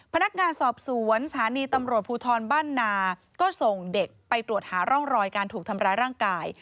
พนักงานสอบสวนสถานีตำรวจภูทรบ้านนาก็ส่งเด็กไปตรวจหาร่องรอยการถูกทำร้ายร่างกาย